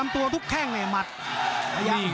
ภูตวรรณสิทธิ์บุญมีน้ำเงิน